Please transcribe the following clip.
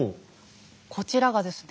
こちらがですね